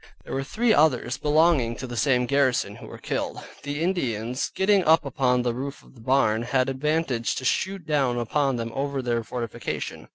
There were three others belonging to the same garrison who were killed; the Indians getting up upon the roof of the barn, had advantage to shoot down upon them over their fortification.